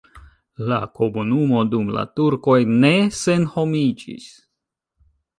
La komunumo dum la turkoj ne senhomiĝis.